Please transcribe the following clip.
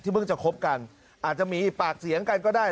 เพิ่งจะคบกันอาจจะมีปากเสียงกันก็ได้